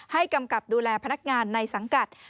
กำกับดูแลพนักงานในสังกัด